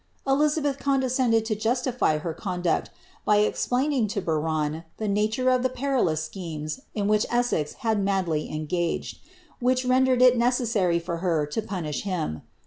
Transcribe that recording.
Eli zabeth condescended to justify her conduct, by explaining to Biron the aatore of the perilous schemes in which Essex had madly engaged, which rendered it necessary for her to punish him.